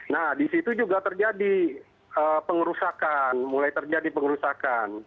nah di situ juga terjadi pengerusakan mulai terjadi pengerusakan